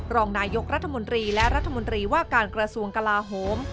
รองนายกรัฐมนตรีและรัฐมนตรีว่าการกระทรวงกลาโหม